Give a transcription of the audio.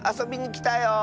きたよ！